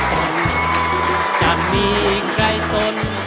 เพลงนี้มีทำให้เราพักก่อน